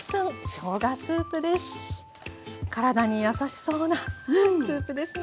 体に優しそうなスープですね。